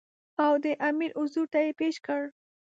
او د امیر حضور ته یې پېش کړ.